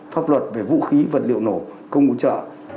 pháp luật về vũ khí vật liệu nổ công cụ trợ